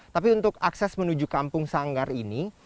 tapi untuk akses menuju kampung sanggar ini